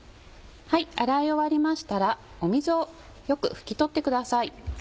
洗い終わりましたら水をよく拭き取ってください。